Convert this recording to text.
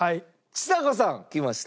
ちさ子さんきました。